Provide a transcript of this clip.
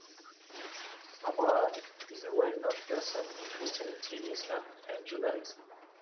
Abraham is a well known person in Christianity, Islam and Judaism.